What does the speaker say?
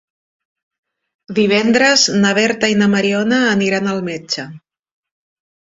Divendres na Berta i na Mariona aniran al metge.